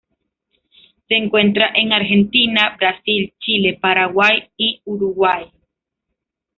Se encuentra en Argentina, Brasil, Chile Paraguay y Uruguay.